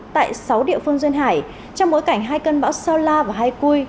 tại sáu địa phương duyên hải trong bối cảnh hai cơn bão sao la và hai cui